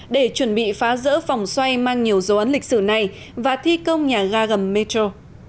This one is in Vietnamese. để chuẩn bị phá rỡ vòng xoay mang nhiều dấu ấn lịch sử này và thi công nhà ga gầm metro